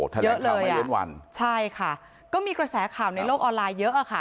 เยอะเลยเว้นวันใช่ค่ะก็มีกระแสข่าวในโลกออนไลน์เยอะอะค่ะ